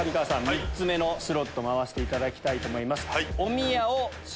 ３つ目のスロット回していただきたいと思います。